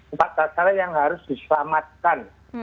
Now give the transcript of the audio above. empat dasar yang harus diselamatkan